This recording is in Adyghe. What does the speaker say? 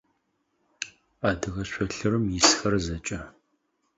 Адыгэ шъолъырым исхэр зэкӏэ.